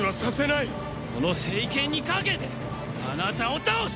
この聖剣にかけてあなたを倒す！